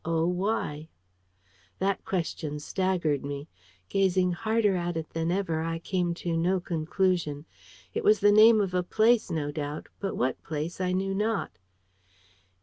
oy..."? That question staggered me. Gazing harder at it than ever, I could come to no conclusion. It was the name of a place, no doubt: but what place, I knew not.